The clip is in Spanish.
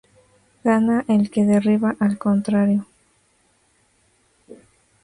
Gana el que derriba al contrario.